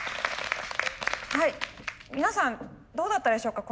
皆さんどうだったでしょうか。